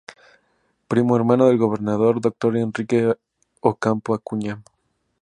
Primo hermano del gobernador Dr. Enrique Ocampo Acuña.